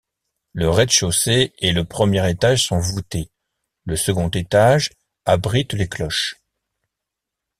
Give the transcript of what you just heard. Le rez-de-chaussée et le premier étage sont voutés, le second étage abrite les cloches.